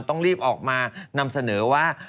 ต้องรีบออกมานำเสนอว่า